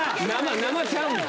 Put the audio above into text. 生ちゃうねん。